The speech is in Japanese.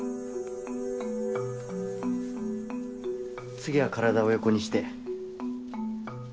次は体を横にして。